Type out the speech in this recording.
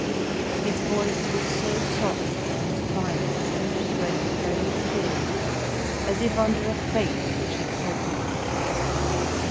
His voice was so soft and final, she went very still, as if under a fate which had taken her.